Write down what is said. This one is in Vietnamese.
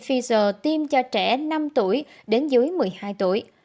pfizer tiêm cho trẻ năm tuổi đến dưới một mươi hai tuổi